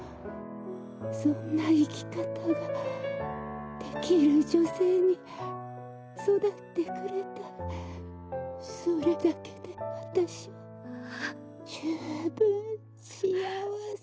そんな生き方ができる女性に育ってくれたそれだけで私は十分幸せ。